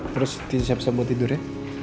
terus siap siap buat tidur ya